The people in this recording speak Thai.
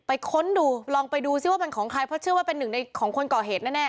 ค้นดูลองไปดูซิว่าเป็นของใครเพราะเชื่อว่าเป็นหนึ่งในของคนก่อเหตุแน่